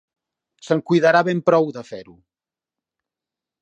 Se'n cuidarà ben bé prou, de fer-ho!